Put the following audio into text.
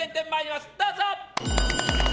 どうぞ！